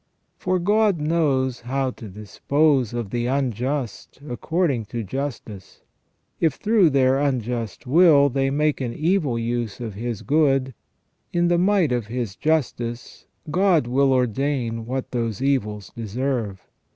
For God knows how to dispose of the unjust according to justice. If through their unjust will they make an evil use of His good, in the might of His justice God will ordain what those evils deserve.